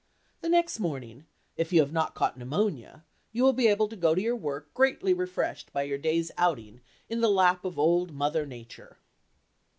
The next morning, if you have not caught pneumonia, you will be able to go to your work greatly refreshed by your day's outing in the lap of old Mother Nature.